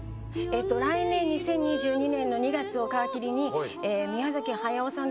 来年２０２２年の２月を皮切りに宮崎駿さん